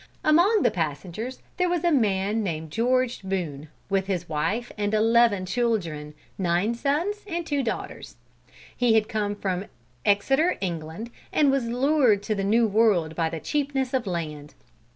Among the passengers there was a man named George Boone, with his wife and eleven children, nine sons and two daughters. He had come from Exeter, England, and was lured to the New World by the cheapness of land.